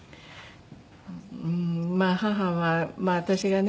うーんまあ母は私がね